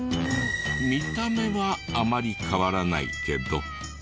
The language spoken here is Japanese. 見た目はあまり変わらないけど。